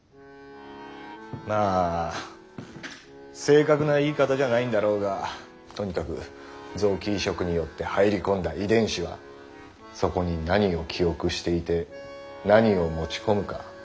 まあ正確な言い方じゃないんだろうがとにかく臓器移植によって入り込んだ遺伝子はそこに何を記憶していて何を持ち込むか。